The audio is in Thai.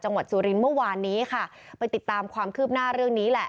สุรินทร์เมื่อวานนี้ค่ะไปติดตามความคืบหน้าเรื่องนี้แหละ